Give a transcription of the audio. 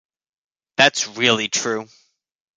That's really true.